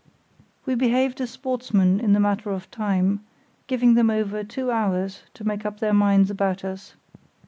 We behaved as sportsmen in the matter of time, giving them over two hours to make up their minds about us.